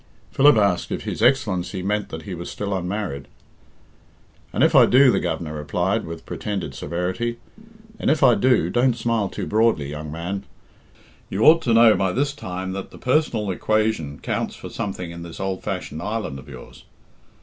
Philip asked if his Excellency meant that he was still unmarried. "And if I do," the Governor replied, with pretended severity, "and if I do, don't smile too broadly, young man. You ought to know by this time that the personal equation counts for something in this old fashioned island of yours.